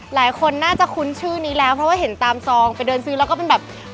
หลายคนน่าจะคุ้นชื่อนี้แล้วเพราะว่าเห็นตามซองไปเดินซื้อแล้วก็เป็นแบบ